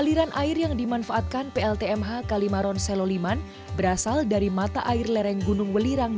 aliran air yang dimanfaatkan pltmh kalimaron seloliman berasal dari mata air lereng gunung welirang